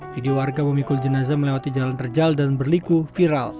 video warga memikul jenazah melewati jalan terjal dan berliku viral